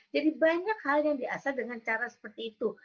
jadi banyak hal yang di asah dengan cara seperti itu